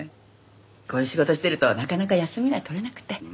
こういう仕事してるとなかなか休みが取れなくて。